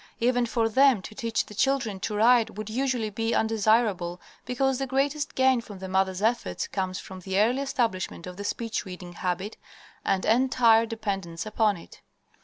Even for them to teach the children to write would usually be undesirable because the greatest gain from the mother's efforts comes from the early establishment of the speech reading habit and entire dependence upon it.